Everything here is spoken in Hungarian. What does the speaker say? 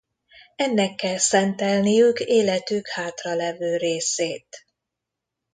Ennek kell szentelniük életük hátralevő részét.